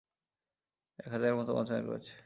এক হাজারের মতো মঞ্চায়ন করেছে।